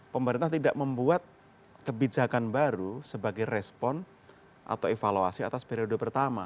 pemerintah tidak membuat kebijakan baru sebagai respon atau evaluasi atas periode pertama